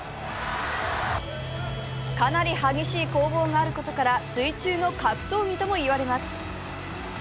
かなり激しい攻防があることから水中の格闘技ともいわれます。